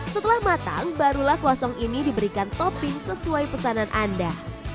setelah matang barulah kuosong ini diberikan topping sesuai pesanan anda